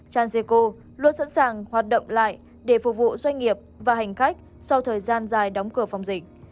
cha sư cô luôn sẵn sàng hoạt động lại để phục vụ doanh nghiệp và hành khách sau thời gian dài đóng cửa phòng dịch